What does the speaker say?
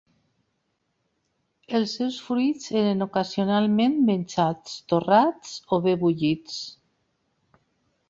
Els seus fruits eren ocasionalment menjats, torrats o bé bullits.